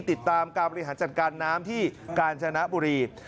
ติดตามการบริหารจัดการน้ำที่กาญจนบุรี